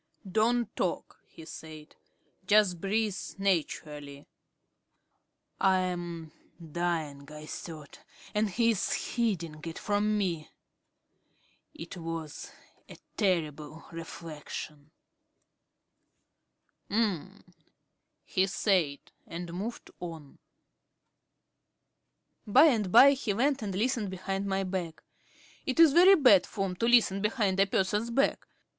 "Don't talk," he said. "Just breathe naturally." "I am dying," I thought, "and he is hiding it from me." It was a terrible reflection. "Um," he said, and moved on. By and by he went and listened behind my back. It is very bad form to listen behind a person's back.